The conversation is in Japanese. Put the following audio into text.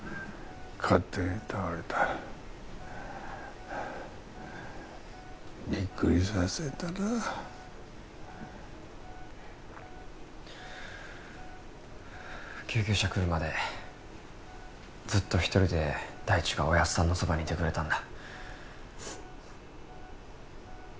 勝手に倒れたびっくりさせたな救急車来るまでずっと一人で大地がおやっさんのそばにいてくれたんだ